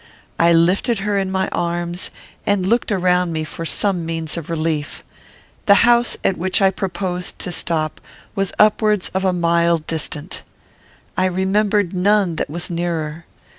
I lifted her in my arms, and looked around me for some means of relief. The house at which I proposed to stop was upwards of a mile distant. I remembered none that was nearer.